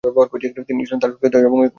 তিনি ছিলেন তার সক্রিয় সদস্য এবং কোষাধ্যক্ষ।